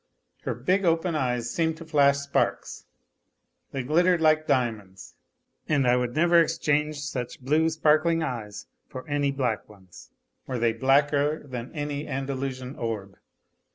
Her big open eyes seemed to flash sparks ; they glittered like diamonds, and I would never exchange such blue sparkling eyes for any black ones, were they blacker than any Andalusian orb.